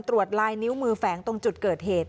ลายนิ้วมือแฝงตรงจุดเกิดเหตุ